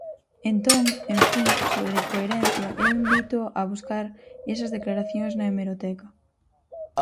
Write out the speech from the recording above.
Entón, en fin, sobre coherencia, eu invítoo a buscar esas declaracións na hemeroteca.